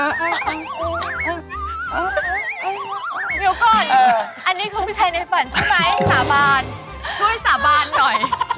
เดี๋ยวก่อนอันนี้คือผู้ชายในฝันใช่ไหมสาบานช่วยสาบานหน่อย